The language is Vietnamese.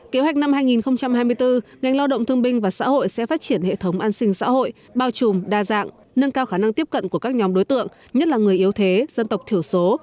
kế hoạch năm hai nghìn hai mươi bốn ngành lao động thương binh và xã hội sẽ phát triển hệ thống an sinh xã hội bao trùm đa dạng nâng cao khả năng tiếp cận của các nhóm đối tượng nhất là người yếu thế dân tộc thiểu số